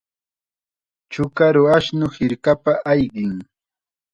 Chukaru ashnu hirkapa ayqin.